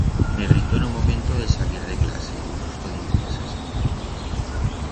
Me gritó en o momento de salir de clase, u chusto dimpuesas.